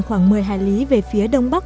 khoảng một mươi hải lý về phía đông bắc